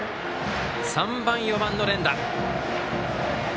３番、４番の連打。